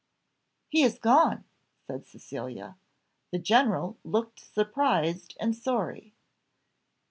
"He is gone!" said Cecilia. The general looked surprised and sorry.